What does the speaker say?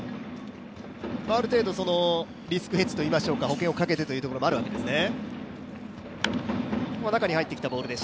ある程度リスクヘッジといいますか、保険をかけている部分もあるわけですね。